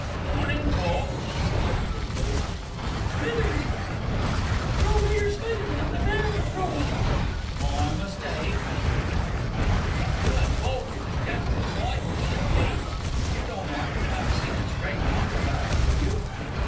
"Mornin' Foch," said Bindle. "Smithers," said the lad. "Patrol leader Smithers of the Bear Patrol." "My mistake," said Bindle; "but you an' Foch is jest as like as two peas. You don't 'appen to 'ave seen a stray cock about, do you?"